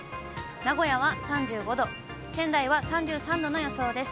名古屋は３５度、仙台は３３度の予想です。